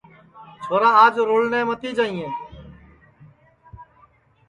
چھورا آج رُڑٹؔے متی جائیئے